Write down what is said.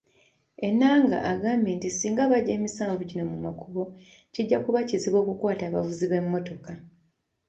Enanga agambye nti singa bajja emisanvu gino mu makubo, kijja kuba kizibu okukwata abavuzi b'emmotoka.